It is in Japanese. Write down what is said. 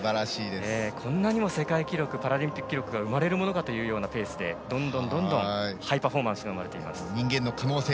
こんなにも世界記録パラリンピック記録が生まれるものかというペースでどんどんどんどんハイパフォーマンスが生まれています。